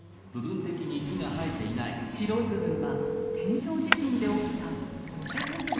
白い部分は天正地震で起きた土砂崩れの跡です。